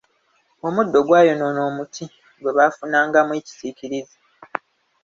Omuddo gwayonoona omuti gwe bafunangamu ekisiikirize.